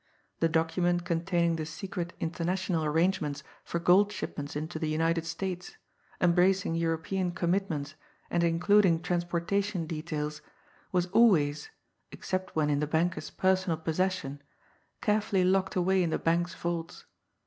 The document, containing the secret international arrangements for gold shipments into the United States, embracing European commitments, and including transportation details, was always, except when in the banker's personal possession, carefully locked away in the bank's vaults.